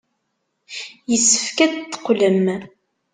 Yessefk ad teqqlem.